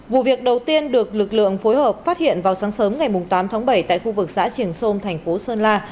vụ việc đầu tiên được lực lượng phối hợp phát hiện vào sáng sớm ngày tám tháng bảy tại khu vực xã triển sơn thành phố sơn la